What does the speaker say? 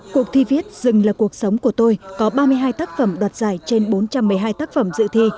cuộc thi viết dừng là cuộc sống của tôi có ba mươi hai tác phẩm đoạt giải trên bốn trăm một mươi hai tác phẩm dự thi